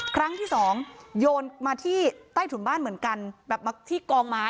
ครั้งที่สองโยนมาที่ใต้ถุนบ้านเหมือนกันแบบมาที่กองไม้